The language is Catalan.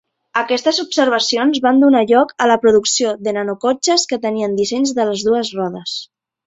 Aquestes observacions van donar lloc a la producció de nanocotxes que tenien dissenys de les dues rodes.